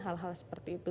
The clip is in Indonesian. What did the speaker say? hal hal seperti itu